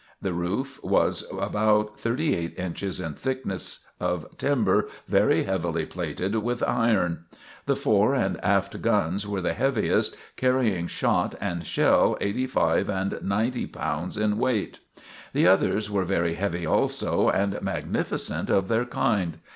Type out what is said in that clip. The roof was about thirty eight inches in thickness, of timber very heavily plated with iron. The fore and aft guns were the heaviest, carrying shot and shell eighty five and ninety pounds in weight. The others were very heavy also and magnificent of their kind.